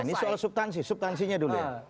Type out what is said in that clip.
ini soal subtansi subtansinya dulu